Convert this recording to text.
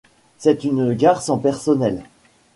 Cest une gare sans personnel.